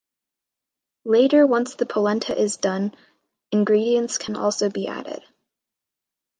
Later, once the polenta is done, ingredients can also be added.